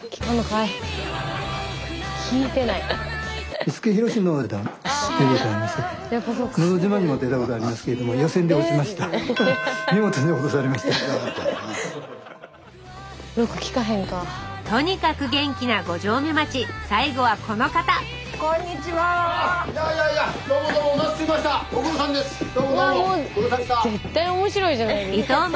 わあもう絶対面白いじゃないですか。